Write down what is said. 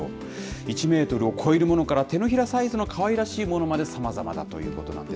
１メートルを超えるものから手のひらサイズのかわいらしいものまで、さまざまだということなんです。